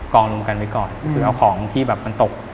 องรวมกันไว้ก่อนคือเอาของที่แบบมันตก